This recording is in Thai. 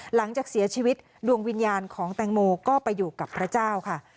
หลังจากเสียชีวิตดวงวิญญาณของแตงโมก็ไปอยู่กับพระเจ้าค่ะ